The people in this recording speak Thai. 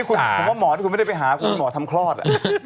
ก็ถือว่าหมอเธอไม่ได้ไปหาคื้นหมอทำคลอด